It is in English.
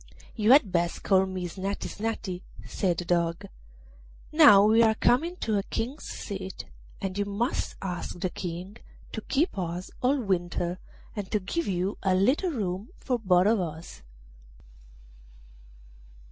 'You had best call me Snati Snati,' said the Dog. 'Now we are coming to a King's seat, and you must ask the King to keep us all winter, and to give you a little room for both of us.